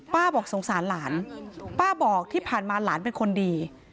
บอกสงสารหลานป้าบอกที่ผ่านมาหลานเป็นคนดี